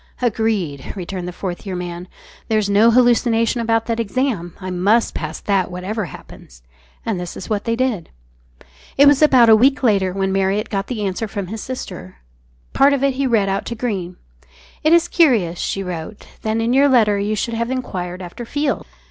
"Agreed," returned the Fourth Year Man; "there's no hallucination about that exam; I must pass that whatever happens." And this was what they did. It was about a week later when Marriott got the answer from his sister. Part of it he read out to Greene "It is curious," she wrote, "that in your letter you should have enquired after Field.